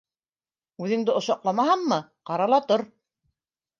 Үҙеңде ошаҡламаһаммы, ҡара ла тор.